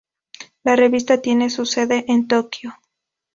La revista tiene su sede en Tokio.